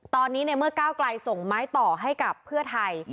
ตอนนี้ในเมื่อก้าวไกลส่งไม้ต่อให้กับเพื่อไทย